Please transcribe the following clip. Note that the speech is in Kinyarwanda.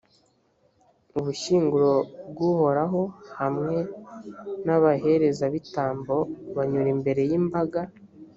ubushyinguro bw’uhoraho hamwe n’abaherezabitambo banyura imbere y’imbaga.